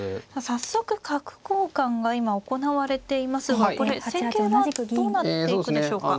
早速角交換が今行われていますがこれ戦型はどうなっていくでしょうか。